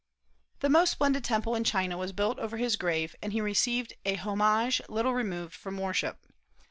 The most splendid temple in China was built over his grave, and he received a homage little removed from worship.